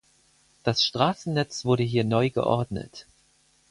Das Straßennetz wurde hier neu geordnet.